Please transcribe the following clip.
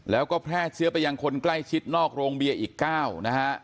แล้วก็แพร่เชื้อไปยังคนใกล้ชิดนอกโรงเบียร์อีก๙นะฮะ